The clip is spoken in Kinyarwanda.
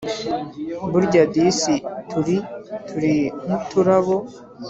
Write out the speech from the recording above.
burya disi, turi, turi nk'uturabo